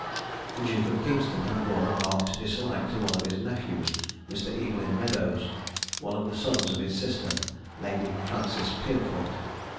The Duke of Kingston had borne a marked dislike to one of his nephews, Mr. Evelyn Meadows, one of the sons of his sister, Lady Frances Pierpoint.